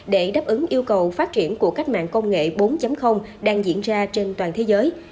để đáp ứng yêu cầu phát triển của cách mạng công nghệ bốn đang diễn ra trên toàn thế giới